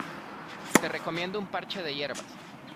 Te recomiendo un parche de hierbas.